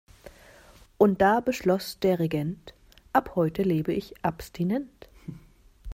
Und da beschloss der Regent: Ab heute lebe ich abstinent.